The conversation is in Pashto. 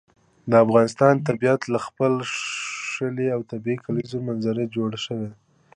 د افغانستان طبیعت له خپلې ښکلې او طبیعي کلیزو منظره څخه جوړ شوی دی.